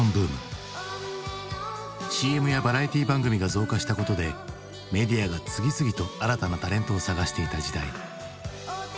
ＣＭやバラエティー番組が増加したことでメディアが次々と新たなタレントを探していた時代。